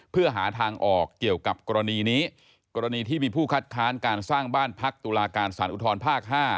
เพื่อหาทางออกเกี่ยวกับกรณีนี้กรณีที่มีผู้คัดค้านการสร้างบ้านพักตุลาการสารอุทธรภาค๕